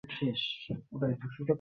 কখন এলে তাঁকে পাওয়া যাবে বলা তো?